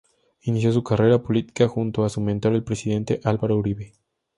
Inició su carrera política junto a su mentor el presidente Álvaro Uribe.